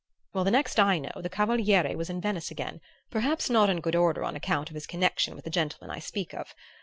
Well, the next I know, the Cavaliere was in Venice again, perhaps not in good odor on account of his connection with the gentleman I speak of.